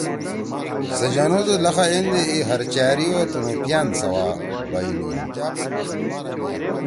سے جنُودُود لخا ایندے ای ہرچأری او تنُوپیِان سوا بژنیِن